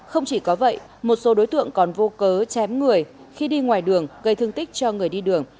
không chỉ có vậy một số đối tượng còn vô cớ chém người khi đi ngoài đường gây thương tích cho người đi đường